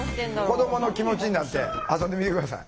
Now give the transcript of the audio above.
子どもの気持ちになって遊んでみて下さい。